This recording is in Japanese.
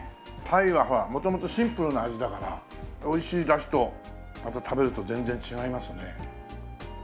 鯛はほら元々シンプルな味だからおいしい出汁とまた食べると全然違いますね。